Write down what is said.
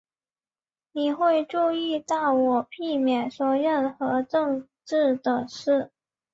你会注意到我避免说任何政治的事。